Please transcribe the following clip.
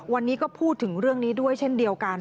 วันนี้ก็พูดถึงเรื่องนี้ด้วยเช่นเดียวกัน